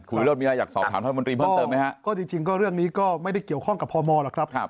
คุณวิโรธมีอะไรอยากสอบถามท่านรัฐมนตรีเพิ่มเติมไหมฮะก็จริงก็เรื่องนี้ก็ไม่ได้เกี่ยวข้องกับพมหรอกครับ